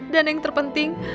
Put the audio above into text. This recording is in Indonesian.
dan yang terpenting